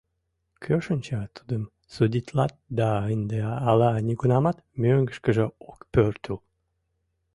Кӧ шинча, тудым судитлат да ынде ала нигунамат мӧҥгышкыжӧ ок пӧртыл.